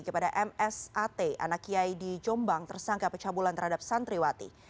kepada msat anak kiai di jombang tersangka pecabulan terhadap santriwati